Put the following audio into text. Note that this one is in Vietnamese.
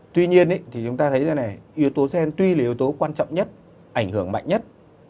tuy nhiên thì chúng ta thấy như thế này yếu tố gen tuy là yếu tố quan trọng nhất ảnh hưởng mạnh nhất